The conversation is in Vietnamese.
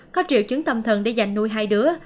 có triệu chứng tâm thần để giành nuôi hai đứa